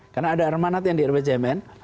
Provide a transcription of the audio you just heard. karena ada armanat yang di rpjmn